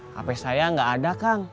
hape saya gak ada kang